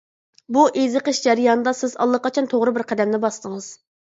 بۇ ئېزىقىش جەريانىدا سىز ئاللىقاچان توغرا بىر قەدەمنى باستىڭىز.